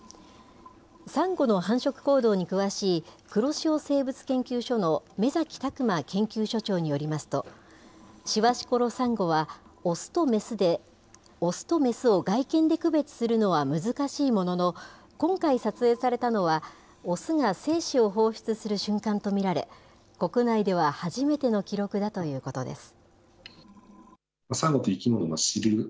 サンゴの繁殖行動に詳しい、黒潮生物研究所の目崎拓真研究所長によりますと、シワシコロサンゴは雄と雌を外見で区別するのは難しいものの、今回撮影されたのは雄が精子を放出する瞬間と見られ、国内では初めての記録だということです。